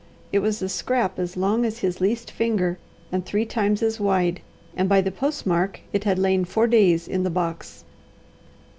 It was a scrap as long as his least finger and three times as wide, and by the postmark it had lain four days in the box.